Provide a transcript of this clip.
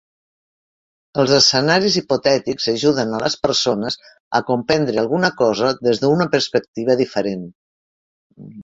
Els escenaris hipotètics ajuden a les persones a comprendre alguna cosa des d'una perspectiva diferent.